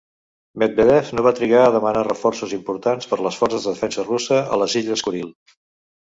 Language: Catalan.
Medvedev no va trigar a demanar reforços importants per les forces de defensa russa a les Illes Kuril.